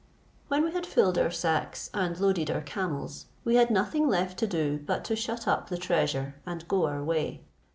When we had filled our sacks, and loaded our camels, we had nothing left to do but to shut up the treasure and go our way.